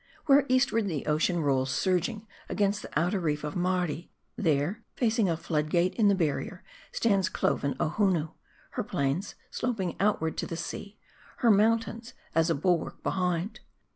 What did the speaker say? Where eastward the ocean rolls surging against the outer reef of Mardi, .there, facing a flood gate in the barrier, stands cloven Ohonoo ; her plains sloping outward to the sea, her mountains a bulwark behind.